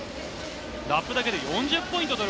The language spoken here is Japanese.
ラップだけで４０ポイント取る